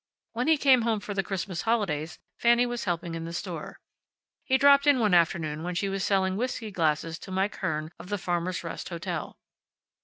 When he came home for the Christmas holidays Fanny was helping in the store. He dropped in one afternoon when she was selling whisky glasses to Mike Hearn of the Farmers' Rest Hotel.